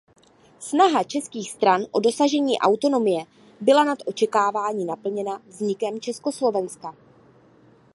Snaha českých stran o dosažení autonomie byla nad očekávání naplněna vznikem Československa.